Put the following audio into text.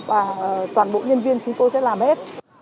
và toàn bộ nhân viên chúng tôi sẽ làm hết